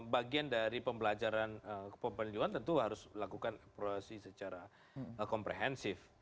bagian dari pembelajaran pembelajaran tentu harus dilakukan secara komprehensif